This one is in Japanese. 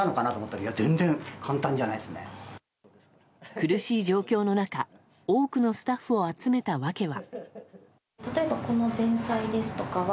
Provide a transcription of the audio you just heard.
苦しい状況の中多くのスタッフを集めた訳は。